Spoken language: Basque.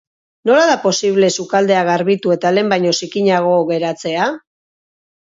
Nola da posible sukaldea garbitu eta lehen baino zikinago geratzea?